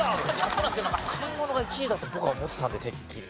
そうなんですけど買い物が１位だと僕は思ってたんでてっきり。